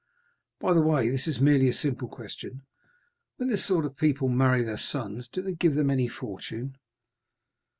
By the way, this is merely a simple question, when this sort of people marry their sons, do they give them any fortune?"